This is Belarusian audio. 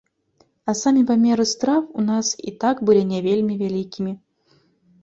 А самі памеры страў у нас і так былі не вельмі вялікімі.